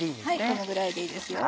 このぐらいでいいですよ。